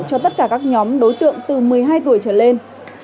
cho tất cả các nhóm đối tượng từ một mươi hai tuổi trở lên